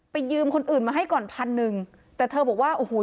ยืมคนอื่นมาให้ก่อนพันหนึ่งแต่เธอบอกว่าโอ้โห